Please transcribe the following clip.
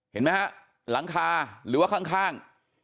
เห็นไหมฮะหลังคาหรือว่าข้าง